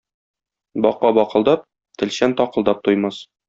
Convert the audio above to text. Бака бакылдап, телчән такылдап туймас.